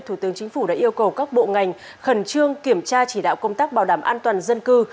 thủ tướng chính phủ đã yêu cầu các bộ ngành khẩn trương kiểm tra chỉ đạo công tác bảo đảm an toàn dân cư